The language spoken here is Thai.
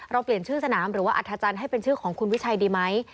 เปลี่ยนชื่อสนามหรือว่าอัธจันทร์ให้เป็นชื่อของคุณวิชัยดีไหม